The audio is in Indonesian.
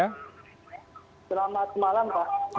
selamat malam pak